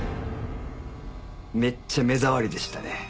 めっちゃ目障りでしたね。